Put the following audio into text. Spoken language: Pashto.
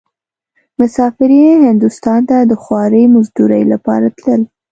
مسافرين هندوستان ته د خوارۍ مزدورۍ لپاره تلل.